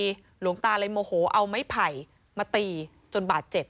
หลวงตาเลยโมโหเอาไม้ไผ่มาตีจนบาดเจ็บ